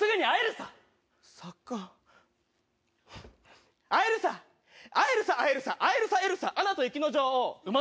さっくん、会えるさ、会えるさ、会えるさ、会えるさエルサ、アナと雪の女王。